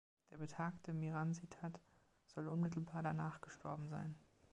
Der betagte Mihransitad soll unmittelbar danach gestorben sein.